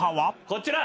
こちら。